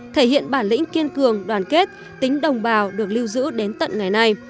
thể hiện bản lĩnh kiên cường đoàn kết tính đồng bào được lưu giữ đến tận ngày nay